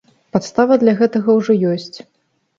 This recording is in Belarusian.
Падстава для гэтага ўжо ёсць.